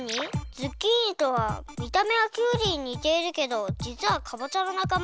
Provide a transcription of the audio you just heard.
ズッキーニとはみためはきゅうりににているけどじつはかぼちゃのなかま。